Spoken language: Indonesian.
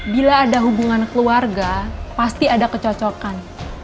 bila ada hubungan keluarga pasti ada kecocokan